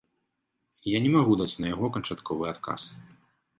Я не магу даць на яго канчатковы адказ.